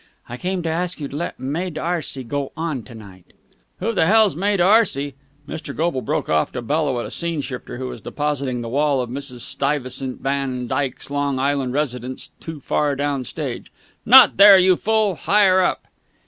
"I came to ask you to let Mae D'Arcy go on to night." "Who the hell's Mae D'Arcy?" Mr. Goble broke off to bellow at a scene shifter who was depositing the wall of Mrs. Stuyvesant van Dyke's Long Island residence too far down stage. "Not there, you fool! Higher up!"